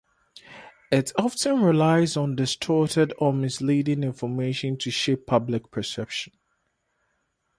It often relies on distorted or misleading information to shape public perception.